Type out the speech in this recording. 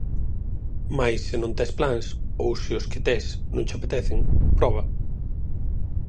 Mais se non tes plans, ou se os que tes non che apetecen, proba.